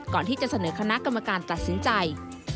ก่อนที่จะเสนอคณะกรรมการตัดสินใจ